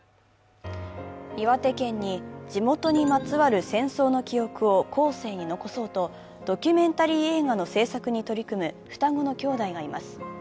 岩手県に地元にまつわる戦争の記憶を後世に残そうとドキュメンタリー映画の製作に取り組む双子の兄弟がいます。